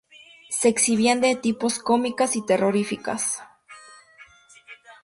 Se exhibían de tipo cómicas y terroríficas.